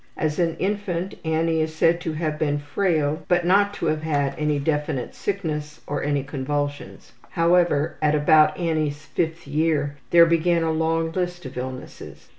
As an infant Annie is said to have been frail, but not to have had any definite sickness or any convulsions. However, at about Annie's fifth year there began a long list of illnesses.